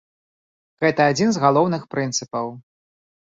Гэта адзін з галоўных прынцыпаў.